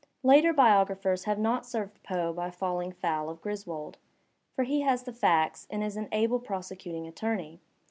Later biographers have not served Poe by falling foul of Griswold. For he has the facts and is an able prosecuting attorney.